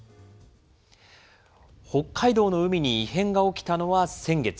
北海道の海に異変が起きたのは先月。